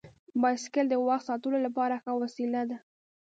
بایسکل د وخت ساتلو لپاره ښه وسیله ده.